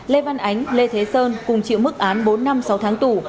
lê văn ánh lê thế sơn cùng chịu mức án bốn năm sáu tháng tù